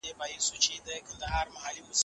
د خطا قتل کفاره د مريي ازادول ټاکل سوې ده.